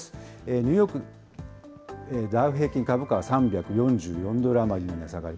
ニューヨーク、ダウ平均株価は３４４ドル余りの値下がり。